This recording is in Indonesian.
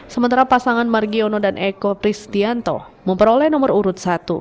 sementara pasangan margiono dan eko pristianto memperoleh nomor urut satu